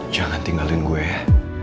jangan tinggalin gue ya